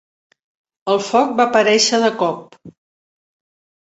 El foc va aparèixer de cop.